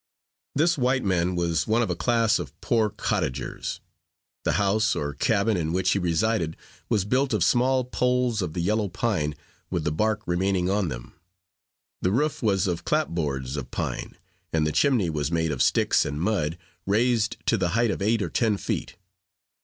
This white man was one of a class of poor cottagers. The house, or cabin, in which he resided, was built of small poles of the yellow pine, with the bark remaining on them; the roof was of clap boards of pine, and the chimney was made of sticks and mud, raised to the height of eight or ten feet.